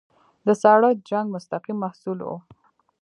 د ساړه جنګ مستقیم محصول وو.